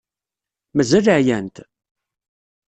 Mazal ɛyant?